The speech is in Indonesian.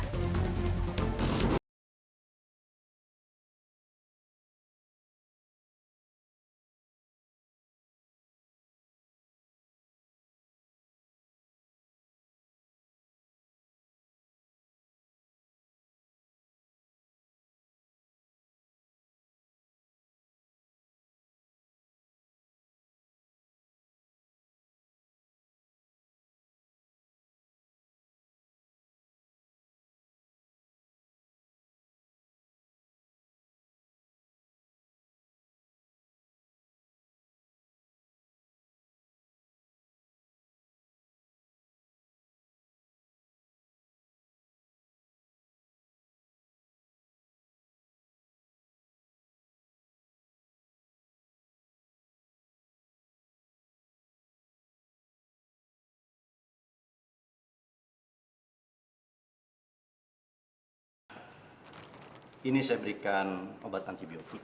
tentang mau terima kasih well